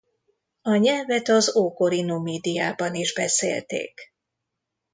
A nyelvet az ókori Numidiában is beszélték.